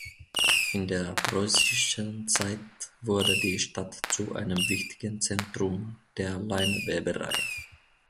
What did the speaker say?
In der preußischen Zeit wurde die Stadt zu einem wichtigen Zentrum der Leinweberei.